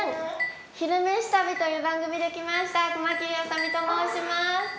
「昼めし旅」という番組で来ました熊切あさ美と申します。